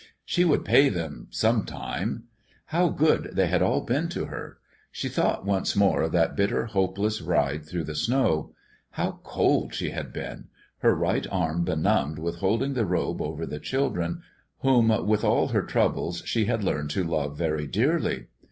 She would pay them sometime. How good they had all been to her! She thought once more of that bitter, hopeless ride through the snow. How cold she had been! her right arm benumbed with holding the robe over the children, whom, with all her troubles, she had learned to love very dearly.